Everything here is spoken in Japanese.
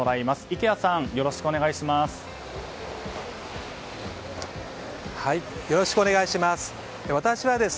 池谷さん、よろしくお願いします。